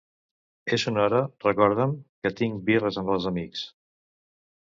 En una hora recorda'm que tinc birres amb els amics.